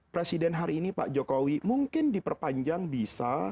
presiden hari ini pak jokowi mungkin diperpanjang bisa